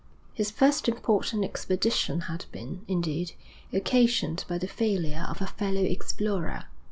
His first important expedition had been, indeed, occasioned by the failure of a fellow explorer.